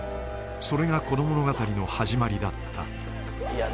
それがこの物語の始まりだったいや